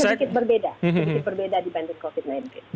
sedikit berbeda dibanding covid sembilan belas